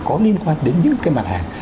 có liên quan đến những cái mặt hàng